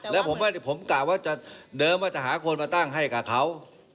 แล้วผมกลับว่าเดิมจะหาคนมาตั้งให้กับเขา